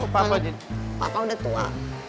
papa udah tua